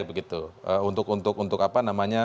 begitu untuk untuk untuk apa namanya